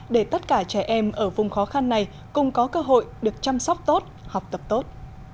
để tất cả trẻ em ở vùng khó khăn này cùng có cơ hội được chăm sóc tốt học tập tốt